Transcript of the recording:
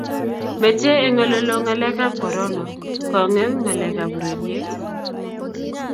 mete eng olelo ngalek ab korona kongem ngalek ab ureriet